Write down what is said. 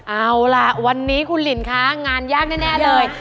เอาล่ะวันนี้คุณหลินคะงานยากแน่เลย